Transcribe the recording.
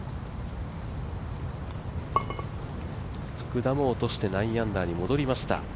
福田も落として９アンダーに戻りました。